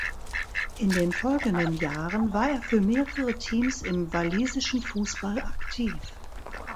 In den folgenden Jahren war er für mehrere Teams im walisischen Fußball aktiv.